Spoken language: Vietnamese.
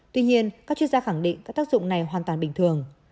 tuy nhiên các chuyên gia khẳng định các tác dụng này hoàn toàn bình thường